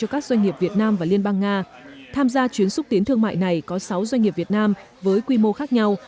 các doanh nghiệp việt nam và liên bang nga tham gia chuyến xúc tiến thương mại này có sáu doanh nghiệp việt nam với quy mô khác nhau